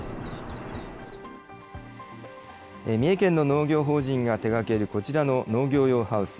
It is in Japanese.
三重県の農業法人が手がけるこちらの農業用ハウス。